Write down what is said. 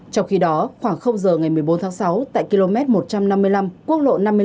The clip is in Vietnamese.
trong khi đó khoảng giờ ngày một mươi bốn tháng sáu tại km một trăm năm mươi năm quốc lộ năm mươi năm